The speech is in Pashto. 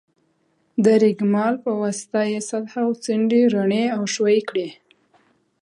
د رېګمال په واسطه یې سطحه او څنډې رڼې او ښوي کړئ.